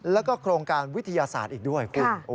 แล้วก็โครงการวิทยาศาสตร์อีกด้วยคุณ